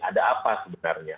ada apa sebenarnya